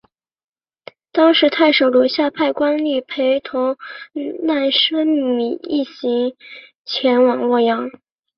当时太守刘夏派官吏陪同难升米一行前往洛阳。